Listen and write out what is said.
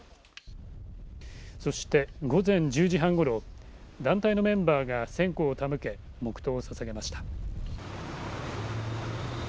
そして午前１０時半ごろ団体のメンバーが線香を手向け黙とうをささげました。